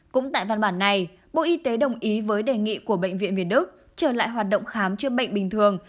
cũng tại văn bản này bộ y tế đồng ý với đề nghị của bệnh viện việt đức trở lại hoạt động khám chữa bệnh bình thường